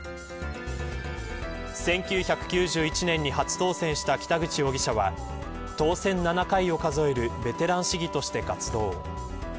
１９９１年に初当選した北口容疑者は当選７回を数えるベテラン市議として活動。